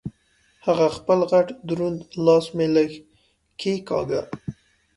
هغه خپل غټ دروند لاس مې لږه کېګاږه.